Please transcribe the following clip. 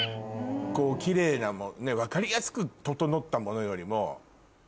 キレイな分かりやすく整ったものよりも。